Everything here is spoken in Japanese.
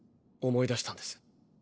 思い出したんです。